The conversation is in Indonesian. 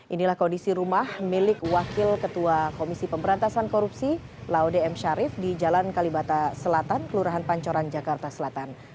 inilah kondisi rumah milik wakil ketua komisi pemberantasan korupsi laude m sharif di jalan kalibata selatan kelurahan pancoran jakarta selatan